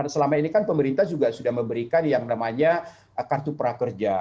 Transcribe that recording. selama ini kan pemerintah juga sudah memberikan yang namanya kartu prakerja